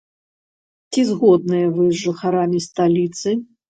Ці згодныя вы з жыхарамі сталіцы?